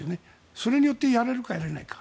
それによってやれるかやれないか。